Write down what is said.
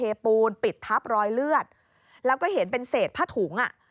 ปูนปิดทับรอยเลือดแล้วก็เห็นเป็นเศษผ้าถุงอ่ะ